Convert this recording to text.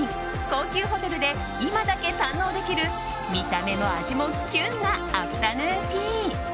高級ホテルで今だけ堪能できる見た目も味もキュンなアフタヌーンティー。